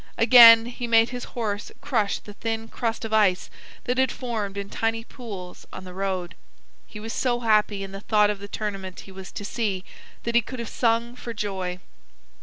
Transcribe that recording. Again he made his horse crush the thin crust of ice that had formed in tiny pools on the road. He was so happy in the thought of the tournament he was to see, that he could have sung for joy.